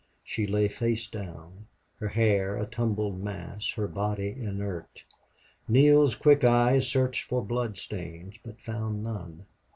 She lay face down, her hair a tumbled mass, her body inert. Neale's quick eye searched for bloodstains, but found none.